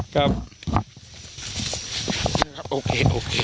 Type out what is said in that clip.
แต่โอเค